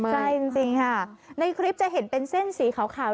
ใช่จริงค่ะในคลิปจะเห็นเป็นเส้นสีขาว